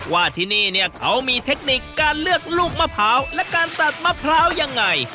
ว่าที่นี่เนี่ยเขามีเทคนิคการเลือกลูกมะพร้าวและการตัดมะพร้าวยังไง